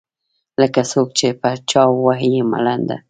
لکــــه څــوک چې په چـــا ووهي ملـــنډه.